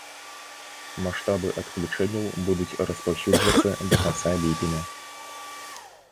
Маштабы адключэнняў будуць распаўсюджвацца да канца ліпеня.